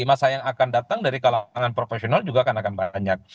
di masa yang akan datang dari kalangan profesional juga akan banyak